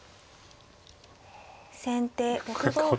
先手６五歩。